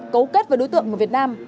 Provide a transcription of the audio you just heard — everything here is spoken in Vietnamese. cấu kết với đối tượng người việt nam